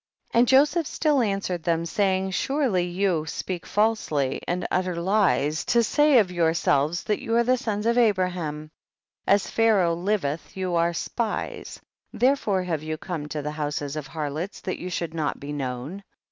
29. And Joseph still answered them, saying, surely you speak false ly and utter lies, to say of yourselves 162 THE BOOK OF JASHER. that you are the sons of Abraham ; as Pharaoh liveth you are spies, there fore have you come to the houses of harlots that you should not be known.